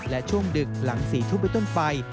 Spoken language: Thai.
และช่วงดึกหลัง๔ทุ่มไปต้นไป